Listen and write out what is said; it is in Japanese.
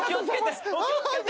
気を付けて。